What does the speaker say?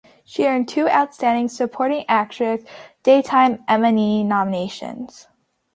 She earned two Outstanding Supporting Actress Daytime Emmy nominations.